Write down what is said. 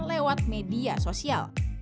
lewat media sosial